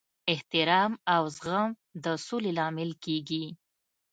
احترام او زغم د سولې لامل کیږي.